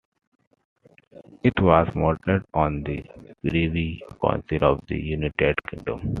It was modelled on the Privy Council of the United Kingdom.